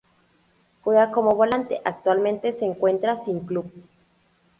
Juega como volante actualmente se encuentra Sin Club.